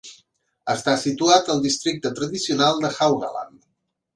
Està situat al districte tradicional de Haugaland.